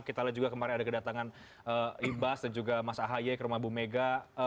kita lihat juga kemarin ada kedatangan ibas dan juga mas ahaye ke rumah ibu mega